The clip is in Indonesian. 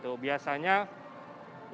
terima kasih nusantara